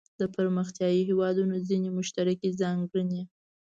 د پرمختیايي هیوادونو ځینې مشترکې ځانګړنې.